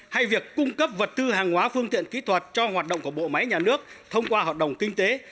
hay việc cung cấp vật tư hàng hóa phương tiện kỹ thuật cho hoạt động của bộ máy nhà nước thông qua hợp đồng kinh tế